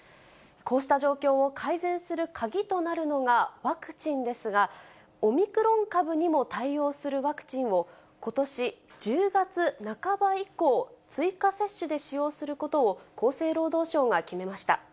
こうした状況を改善する鍵となるのがワクチンですが、オミクロン株にも対応するワクチンを、ことし１０月半ば以降、追加接種で使用することを厚生労働省が決めました。